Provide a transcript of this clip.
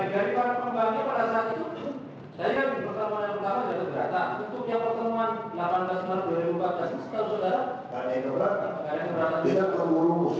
karena kan kelebihan kan